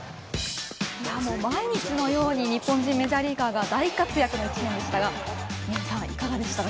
毎日のように日本人メジャーリーガーが大活躍の１年でしたが宮根さん、いかがでしたか？